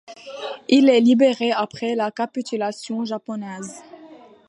Il est libéré après la capitulation japonaise.